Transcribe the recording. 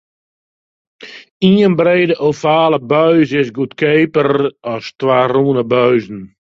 Ien brede ovale buis is goedkeaper as twa rûne buizen.